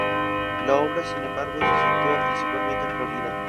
La obra, sin embargo, se sitúa principalmente en Florida.